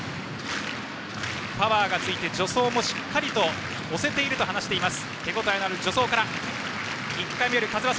パワーがついて助走もしっかり乗せていると話します。